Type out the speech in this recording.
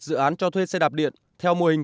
dự án cho thuê xe đạp điện theo mô hình